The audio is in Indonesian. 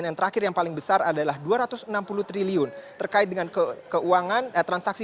dan yang terakhir yang paling besar adalah rp dua ratus enam puluh triliun terkait dengan transaksi